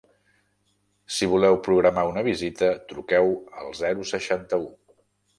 Si voleu programar una visita, truqueu al zero seixanta-u.